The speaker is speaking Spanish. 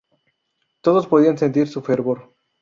Todos podían sentir su fervor.